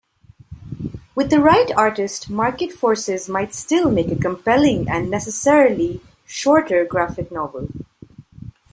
With the right artist, "Market Forces" might still make a compelling-and necessarily shorter-graphic novel.